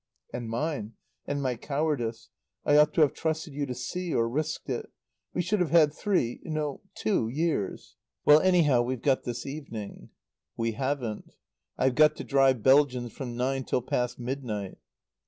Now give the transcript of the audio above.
"And mine. And my cowardice. I ought to have trusted you to see, or risked it. We should have had three no, two years." "Well, anyhow, we've got this evening." "We haven't. I've got to drive Belgians from nine till past midnight."